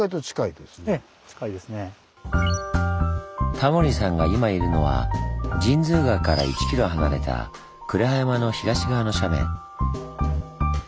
タモリさんが今いるのは神通川から１ｋｍ離れた呉羽山の東側の斜面。